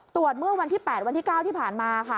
ตรวจเมื่อวันที่๘วันที่๙ที่ผ่านมาค่ะ